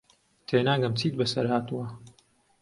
تێناگەم چیت بەسەر هاتووە.